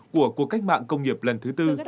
của cuộc cách mạng công nghiệp lần thứ tư